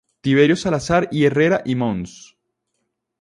Tiberio Salazar y Herrera y Mons.